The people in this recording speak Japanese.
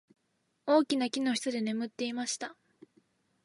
大きな木の下で眠っていました。